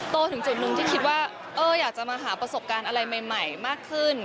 ถึงจุดหนึ่งที่คิดว่าอยากจะมาหาประสบการณ์อะไรใหม่มากขึ้น